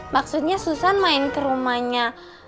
maksudnya susah main ke rumahnya